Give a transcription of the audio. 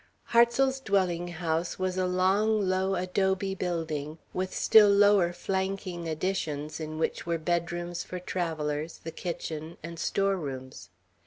Hartsel's dwelling house was a long, low adobe building, with still lower flanking additions, in which were bedrooms for travellers, the kitchen, and storerooms.